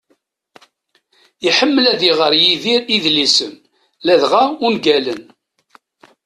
Iḥemmel ad iɣer Yidir idlisen, ladɣa ungalen.